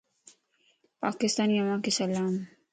پاڪستاني اوھانک سلام